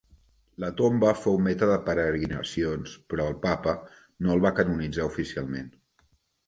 La tomba fou meta de peregrinacions, però el papa no el va canonitzar oficialment.